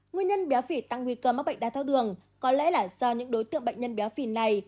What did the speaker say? nguyên nhân béo phì tăng nguy cơ mắc bệnh đai tháo đường có lẽ là do những đối tượng bệnh nhân béo phì này